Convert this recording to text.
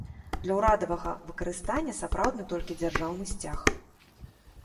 Для ўрадавага выкарыстання сапраўдны толькі дзяржаўны сцяг.